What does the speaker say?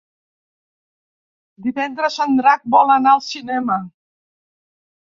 Divendres en Drac vol anar al cinema.